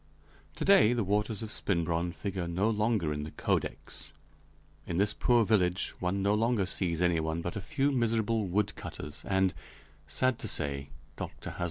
To day the waters of Spinbronn figure no longer in the "Codex"; in this poor village one no longer sees anyone but a few miserable woodcutters, and, sad to say, Dr. Hâselnoss has left!